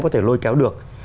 có thể lôi kéo được